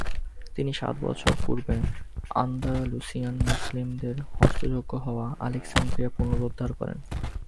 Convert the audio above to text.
তিনি সাত বছর পূর্বে আন্দালুসিয়ান মুসলিমদের হস্তগত হওয়া আলেক্সান্দ্রিয়া পুনরুদ্ধার করেন।